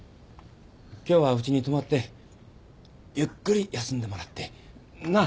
今日はウチに泊まってゆっくり休んでもらってなあ。